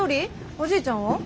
おじいちゃんは？